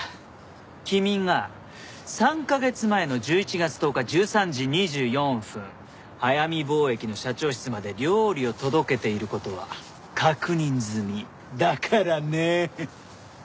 君が３カ月前の１１月１０日１３時２４分速水貿易の社長室まで料理を届けている事は確認済みだからね。